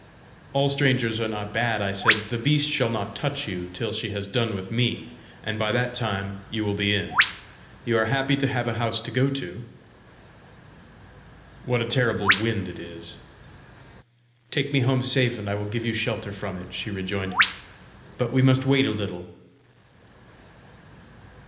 "All strangers are not bad!" I said. "The beast shall not touch you till she has done with me, and by that time you will be in. You are happy to have a house to go to! What a terrible wind it is!" "Take me home safe, and I will give you shelter from it," she rejoined. "But we must wait a little!"